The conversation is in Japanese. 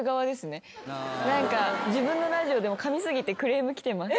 自分のラジオでもかみ過ぎてクレーム来てます。